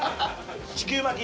地球巻き。